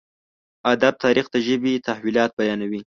ادب تاريخ د ژبې تحولات بيانوي.